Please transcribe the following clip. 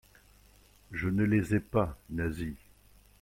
Je ne les ai pas, Nasie.